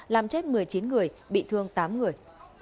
làm chết một mươi chín người bị thương tám người